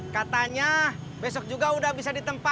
katanya besok juga udah bisa diberikan